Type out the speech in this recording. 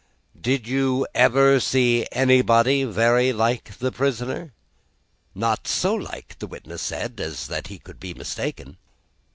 "Did you ever see anybody very like the prisoner?" Not so like (the witness said) as that he could be mistaken.